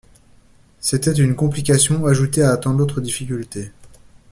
C’était une complication ajoutée à tant d’autres difficultés.